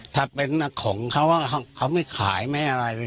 ถ้าเป็นอาของเค้าว่าเค้าไม่ขายมายังไงอะไร